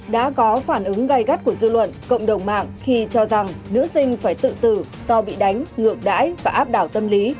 đã có phản ứng gây gắt của dư luận cộng đồng mạng khi cho rằng nữ sinh phải tự tử do bị đánh ngược đãi và áp đảo tâm lý